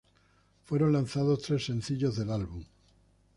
Fueron lanzados tres sencillos del álbum.